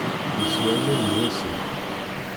Yeswa aman n wasif.